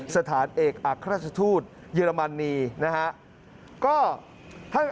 สถานเอกอัจฐาชฌูทเยอรมันนีนร์นะครับ